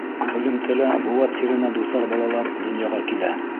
Һөҙөмтәлә быуат сиренә дусар балалар донъяға килә.